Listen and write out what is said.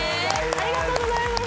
ありがとうございます。